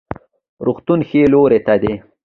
روغتون ښي لوري ته دی